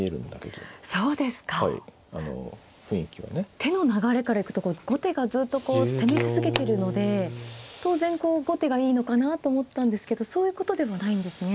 手の流れからいくと後手がずっと攻め続けているので当然こう後手がいいのかなと思ったんですけどそういうことではないんですね。